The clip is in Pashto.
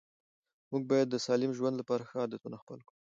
موږ باید د سالم ژوند لپاره ښه عادتونه خپل کړو